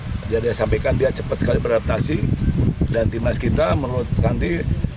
jadi dia sampaikan dia cepat sekali beradaptasi dan timnas kita menurut sandy